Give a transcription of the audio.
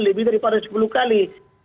lebih dari sepuluh kali